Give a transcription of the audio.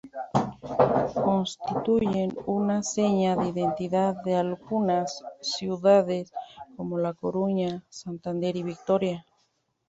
Constituyen una seña de identidad de algunas ciudades como La Coruña, Santander y Vitoria.